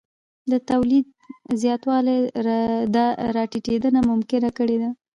د تولیدیت زیاتوالی دا راټیټېدنه ممکنه کړې ده